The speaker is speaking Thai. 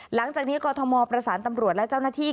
หลังจากนี้กรทมประสานตำรวจและเจ้าหน้าที่